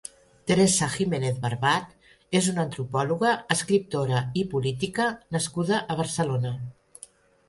Teresa Giménez Barbat és una antropòloga, escriptora i política nascuda a Barcelona.